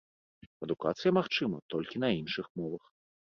Адукацыя магчыма толькі на іншых мовах.